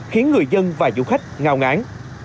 khiến người dân và du khách ngào ngán